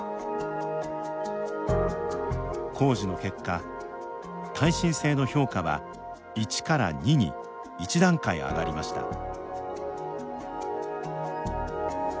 工事の結果、耐震性の評価は１から２に１段階上がりました。